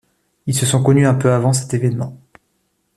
Ils se sont connus un peu avant cet événement.